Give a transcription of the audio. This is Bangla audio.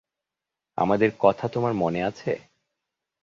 আমাদের কথা তোমার মনে আছে?